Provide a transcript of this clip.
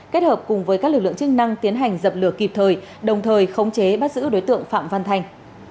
kết hợp cùng với các lực lượng chức năng tiến hành dập lửa kịp thời đồng thời khống chế bắt giữ đối tượng phạm văn thanh